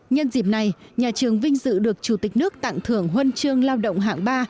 nhân dịp này nhà trường vinh dự được chủ tịch nước tặng thưởng huân chương lao động hạng ba